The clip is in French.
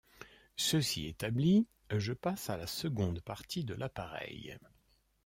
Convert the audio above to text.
Ceci établi, je passe à la seconde partie de l’appareil.